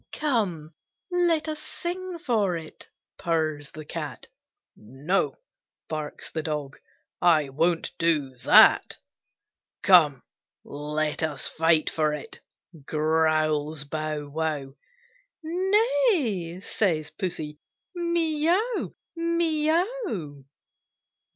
"Come, let us sing for it!" purrs the Cat; "No!" barks the Dog, "I won't do that." "Come, let us fight for it!" growls Bow wow; "Nay!" says Pussy, "mee ow, mee ow!"